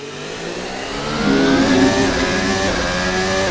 D'autres liens existent.